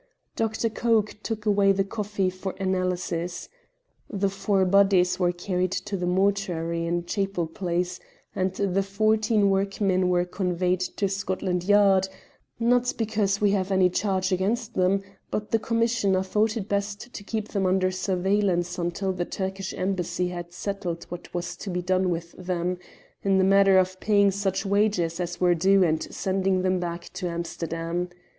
Dr. Coke took away the coffee for analysis. The four bodies were carried to the mortuary in Chapel Place, and the fourteen workmen were conveyed to Scotland Yard, not because we have any charge against them, but the Commissioner thought it best to keep them under surveillance until the Turkish Embassy had settled what was to be done with them, in the matter of paying such wages as were due and sending them back to Amsterdam.